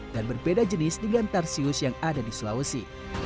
dan berbeda jenis dengan tarsius yang ada di sulawesi